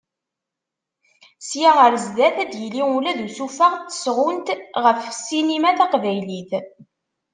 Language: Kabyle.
Sya ar sdat, ad d-yili ula usuffeɣ n tesɣunt ɣef ssinima taqbaylit.